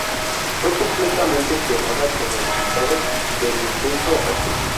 Fue completamente quemada como resultado del intenso ataque.